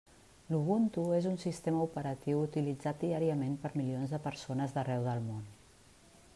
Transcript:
L'Ubuntu és un sistema operatiu utilitzat diàriament per milions de persones d'arreu del món.